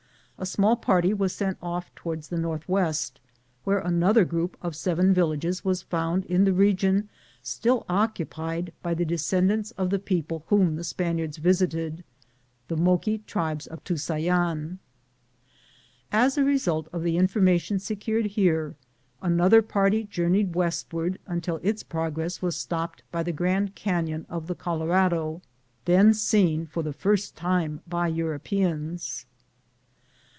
A small party was sent off toward the northwest, where another group of seven villages was found in the region still occupied by the descendants of the people whom the Spaniards visited, the Moqui tribes of Tusayan. As a result of the information secured here, another party journeyed westward until its progress was stopped by the Grand Carton of the Colorado, then seen for the first time by Europeans.